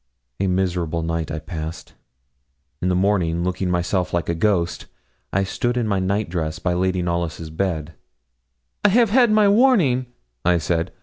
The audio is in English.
A miserable night I passed. In the morning, looking myself like a ghost, I stood in my night dress by Lady Knollys' bed. 'I have had my warning,' I said.